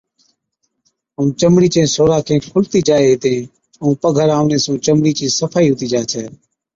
ائُون چمڙِي چين سوراخين کُلتِي جائي هِتين، ائُون پگھر آوَڻي سُون چمڙِي چِي صفائِي هُتِي جا ڇَي۔